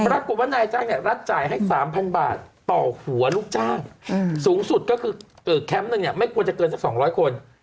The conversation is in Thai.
ปรากฏว่านายจ้างเนี่ยรัฐจ่ายให้๓๐๐บาทต่อหัวลูกจ้างสูงสุดก็คือแคมป์หนึ่งเนี่ยไม่ควรจะเกินสัก๒๐๐คน